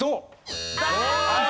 残念！